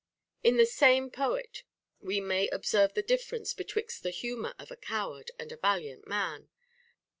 In the same poet also we may observe the difference betwixt the humor of a coward and a valiant man.